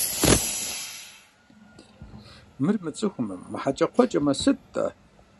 Мыр мыцӀыхумэ, мыхьэкӀэкхъуэкӀэмэ, сыт–тӀэ?